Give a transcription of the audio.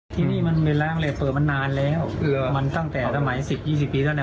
ได้เรียกขายบริการ